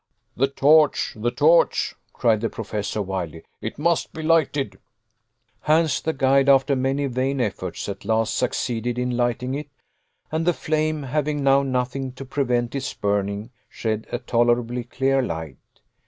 "The torch the torch!" cried the Professor, wildly; "it must be lighted." Hans, the guide, after many vain efforts, at last succeeded in lighting it, and the flame, having now nothing to prevent its burning, shed a tolerably clear light.